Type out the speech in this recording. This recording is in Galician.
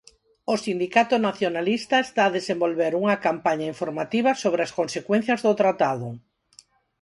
O sindicato nacionalista está a desenvolver unha campaña informativa sobre as consecuencias do tratado.